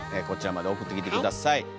こちらまで送ってきて下さい。